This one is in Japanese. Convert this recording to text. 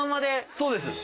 そうです。